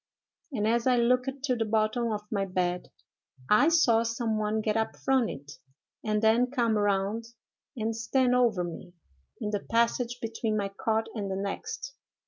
—and as I looked to the bottom of my bed, I saw some one get up from it, and then come round and stand over me, in the passage between my cot and the next.